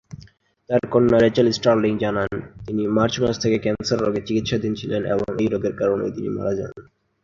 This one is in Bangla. তার কন্যা রেচেল স্টার্লিং জানান তিনি মার্চ মাস থেকে ক্যান্সার রোগের চিকিৎসাধীন ছিলেন এবং এই রোগের কারণেই তিনি মারা যান।